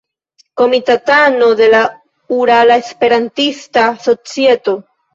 Komitatano de la Urala Esperantista Societo.